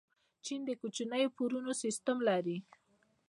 چین د کوچنیو پورونو سیسټم لري.